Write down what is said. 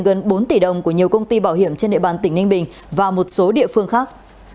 gần bốn tỷ đồng của nhiều công ty bảo hiểm trên địa bàn tỉnh ninh bình và một số địa phương khác